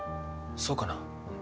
そうかな。